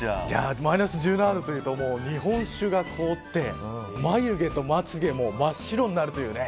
マイナス１７度というと日本酒が凍って眉毛とまつげが真っ白になるというね。